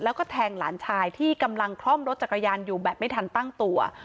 แล้วก็แทงหลานชายที่กำลังคล่อมรถจักรยานอยู่แบบไม่ทันตั้งตัว